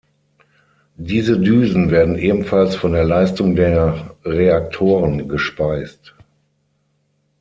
Diese Düsen werden ebenfalls von der Leistung der Reaktoren gespeist.